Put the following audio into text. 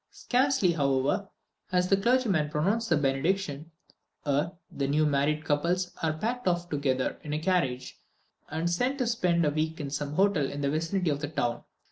Scarcely, however, has the clergyman pronounced the benediction, ere the new married couple are packed off together in a carriage, and sent to spend a week in some hotel in the vicinity of the town.